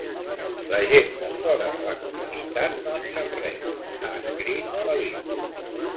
"La gent de fora de la comunitat no en sap res", ha escrit Bellil.